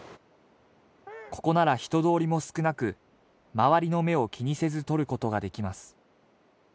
ここなら人通りも少なく周りの目を気にせず撮ることができます